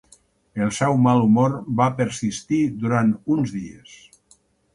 El seu mal humor va persistir durant uns dies.